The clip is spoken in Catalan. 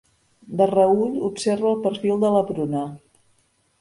De reüll observa el perfil de la Bruna.